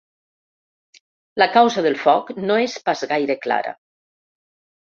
La causa del foc no és pas gaire clara.